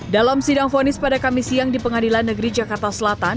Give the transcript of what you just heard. dalam sidang fonis pada kami siang di pengadilan negeri jakarta selatan